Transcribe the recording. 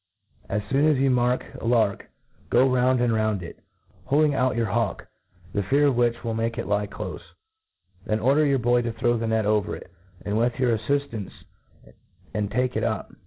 As foon as you mark a '^k, go raund and round it, heading out your ,b?iwk, the fear .of which wiU make it lie ciofe. Then order your boy tp throw the net over it^ with your af&itancc, and take it up..